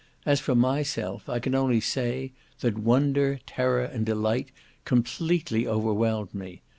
As for myself, I can only say, that wonder, terror, and delight completely overwhelmed me.